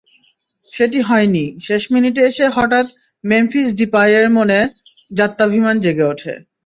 সেটি হয়নি, শেষ মিনিটে এসে হঠাৎ মেম্ফিস ডিপাইয়ের মনে জাত্যভিমান জেগে ওঠায়।